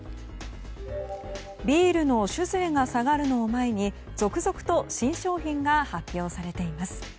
ビールの酒税が下がるのを前に続々と新商品が発表されています。